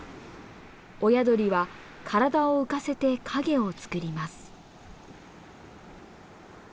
親鳥は体を浮かせて陰を作ります。